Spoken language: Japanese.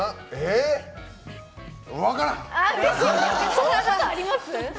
そんなことあります？